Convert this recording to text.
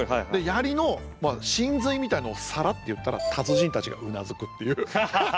槍の神髄みたいのをサラッと言ったら達人たちがうなずくっていう。